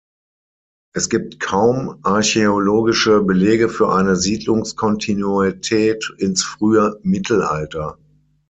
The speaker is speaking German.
Es gibt kaum archäologische Belege für eine Siedlungskontinuität ins frühe Mittelalter.